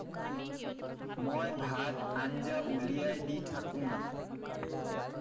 মই ভাত আঞ্জা উলিয়াই দি থাকোঁ।